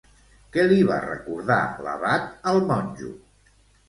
Què li va recordar l'abat al monjo?